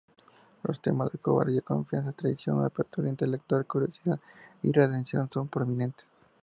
Los temas de cobardía, confianza, traición, apertura intelectual, curiosidad y redención son prominentes.